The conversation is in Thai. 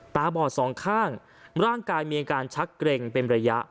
ตาบอดสองข้างร่างกายมีอาการชักเกร็งเป็นระยะ